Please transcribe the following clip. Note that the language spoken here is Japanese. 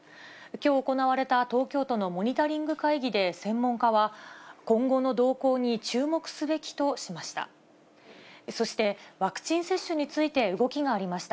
きょう行われた東京都のモニタリング会議で専門家は、今後の動向に注目すべきとしました。